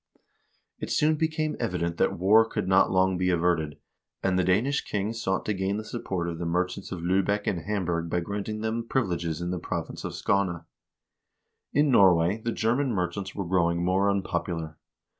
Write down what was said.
It soon became evident that war could not long be averted, and the Danish king sought to gain the support of the merchants of Liibeck and Hamburg by granting them privileges in the province of Sk&ne. In Norway the German merchants were growing more unpopular.